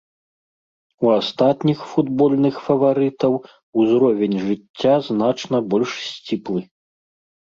У астатніх футбольных фаварытаў узровень жыцця значна больш сціплы.